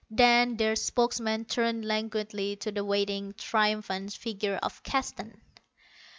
Then their spokesman turned languidly to the waiting, triumphant figure of Keston.